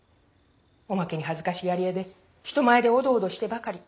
おまけに恥ずかしがり屋で人前でおどおどしてばかり。